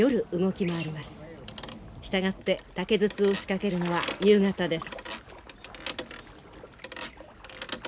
従って竹筒を仕掛けるのは夕方です。